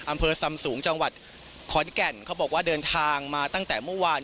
อำเภอซำสูงจังหวัดขอนแก่นเขาบอกว่าเดินทางมาตั้งแต่เมื่อวาน